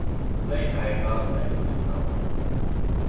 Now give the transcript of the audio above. Later I heard that he hit someone.